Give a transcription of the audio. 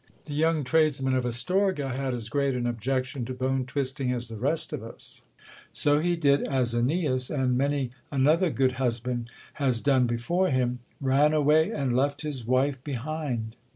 The young tradesman of Astorga had as great an objection to bone twisting as the rest of us : so he did as Eneas, and many another good husband has done before him ;— ran away and left his wife behind.